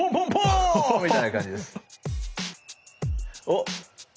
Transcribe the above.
おっ。